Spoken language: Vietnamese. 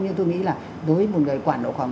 nhưng tôi nghĩ là đối với một người quản độ khoảng